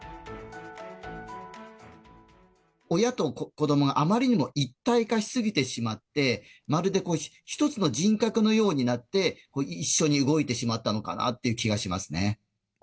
親と子どもがあまりにも一体化し過ぎてしまって、まるで一つの人格のようになって、一緒に動いてしまったのかなという気がしますね。